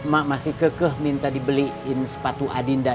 mak masih kekeh minta dibeliin sepatu adinda